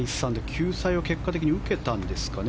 救済を結果的に受けたんですかね。